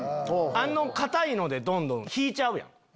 あの硬いのでドンドン引いちゃうやん。